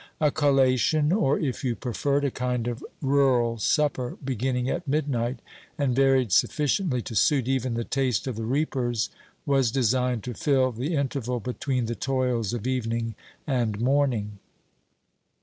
A collation, or, if you prefer it, a kind of rural supper, beginning at midnight, and varied sufficiently to suit even the taste of the reapers, was designed to fill the interval between the toils of evening and morning.